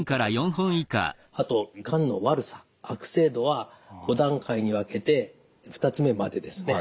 あとがんの悪さ悪性度は５段階に分けて２つ目までですね。